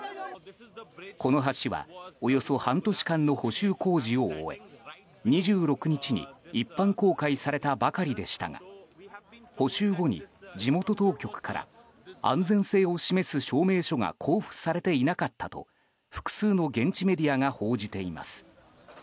この橋はおよそ半年間の補修工事を終え２６日に一般公開されたばかりでしたが補修後に、地元当局から安全性を示す証明書が交付されていなかったと複数の現地メディアが報じています。